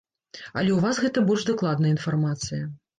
Але ў вас гэта больш дакладная інфармацыя.